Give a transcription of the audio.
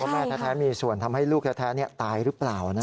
แม่แท้มีส่วนทำให้ลูกแท้ตายหรือเปล่า